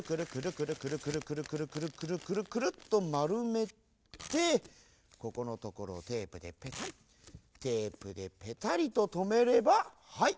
くるくるくるくるくるくるっとまるめてここのところをテープでペタリテープでペタリととめればはい！